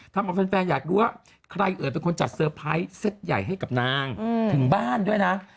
ถ้ามาแฟนแฟนอยากรู้ว่าใครเอ่ยเป็นคนจัดเซ็ตใหญ่ให้กับนางอืมถึงบ้านด้วยน่ะ